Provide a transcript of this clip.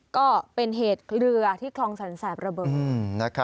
ก็เป็นเหตุเรือที่คลองสรรแสบระเบิด